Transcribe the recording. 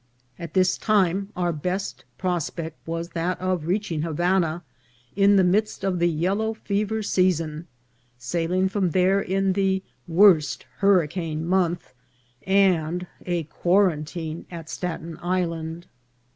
At this time our best prospect was that of reaching Havana in the midst of the yellow fever season, sailing from there in the worst hurricane month, and a quarantine at Staten Island.